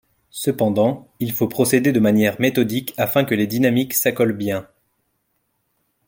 Cependant, il faut procéder de manière méthodique afin que les dynamiques s'accolent bien.